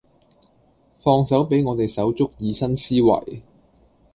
放手畀我哋手足以新思維